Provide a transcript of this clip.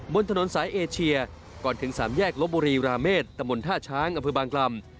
บนถนนสายเอเชียก่อนถึงสามแยกลบบุรีราเมษตะมนต์ท่าช้างอำเภอบางกลำ